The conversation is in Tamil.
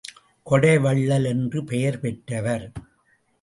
கொடை வள்ளல் என்று பெயர் பெற்றவர்.